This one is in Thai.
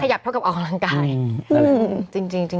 ขยับเท่ากับออกกำลังกาย